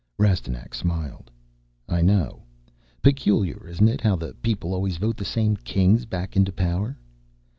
Rastignac smiled. "I know. Peculiar, isn't it, how the 'people' always vote the same Kings back into power?